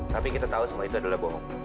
tapi kita tahu semua itu adalah bohong